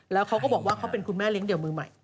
แล้วเขาก็บอกว่าเขาเป็นคุณแม่เลี้ยเดี่ยวมือใหม่